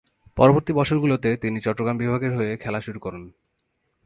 পরবর্তী বছরগুলোতে তিনি চট্টগ্রাম বিভাগের হয়ে খেলা শুরু করেন।